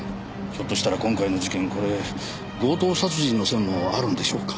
ひょっとしたら今回の事件これ強盗殺人の線もあるんでしょうか。